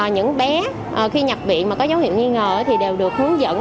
thì mọi người có dấu hiệu nghi ngờ thì đều được hướng dẫn